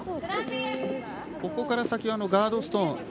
ここから先はガードストーン。